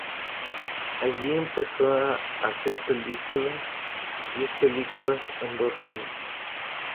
Allí empezó a hacer películas, diez películas en dos años.